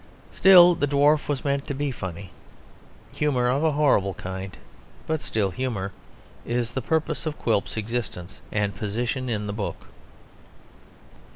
Still, the dwarf was meant to be funny. Humour of a horrible kind, but still humour, is the purpose of Quilp's existence and position in the book.